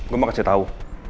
gue mau kasih tau